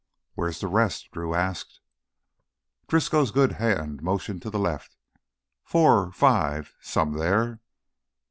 "Where're the rest?" Drew asked. Driscoll's good hand motioned to the left. "Four ... five ... some there.